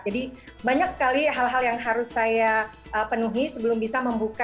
jadi banyak sekali hal hal yang harus saya penuhi sebelum bisa membuka